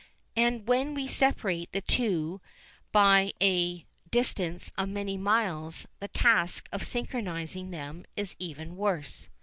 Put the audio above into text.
And when we separate the two by a distance of many miles, the task of synchronising them is even worse.